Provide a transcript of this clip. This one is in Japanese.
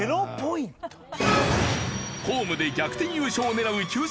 ホームで逆転優勝を狙うＱさま！！